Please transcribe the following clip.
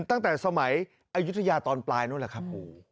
ตั้งแต่สมัยอายุทยาตอนปลายนู้นแหละครับ